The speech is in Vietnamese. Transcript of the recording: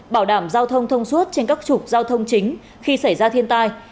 bảo đảm giao thông thông suốt trên các trục giao thông chính khi xảy ra thiên tai